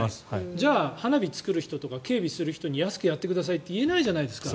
じゃあ花火を作る人とか警備する人に安くやってくださいって言えないじゃないですか。